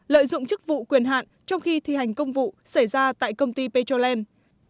lợi dụng chức vụ quyền hạn trong khi thi hành công vụ xảy ra tại công ty petroland